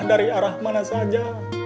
dari arah mana saja